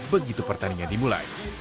begitu pertandingan dimulai